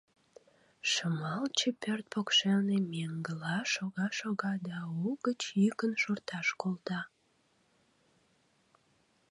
Шымалче пӧрт покшелне меҥгыла шога-шога да угыч йӱкын шорташ колта.